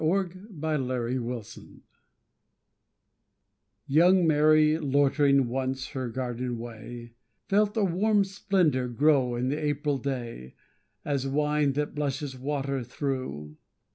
MARY AND GABRIEL Young Mary, loitering once her garden way, Felt a warm splendour grow in the April day, As wine that blushes water through.